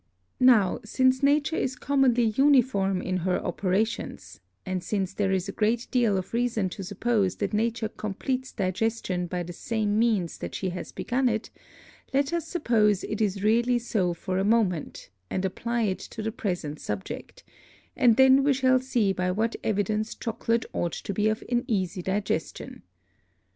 Now since Nature is commonly uniform in her Operations, and since there is a great deal of reason to suppose that Nature compleats Digestion by the same means that she has begun it, let us suppose it is really so for a Moment, and apply it to the present Subject, and then we shall see by what Evidence Chocolate ought to be of an easy Digestion.